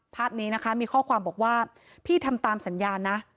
ภาพนี้นะคะมีข้อความบอกว่าพี่ทำตามสัญญาณนะ